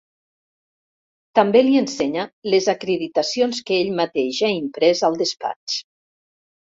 També li ensenya les acreditacions que ell mateix ha imprès al despatx.